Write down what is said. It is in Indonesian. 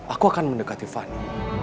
aku akan mendekati fadi